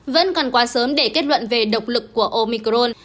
vẫn còn quá sớm để kết luận về độc lực của omicron